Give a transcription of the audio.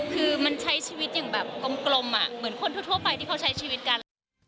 คือมันใช้ชีวิตอย่างแบบกลมเหมือนคนทั่วไปที่เขาใช้ชีวิตกัน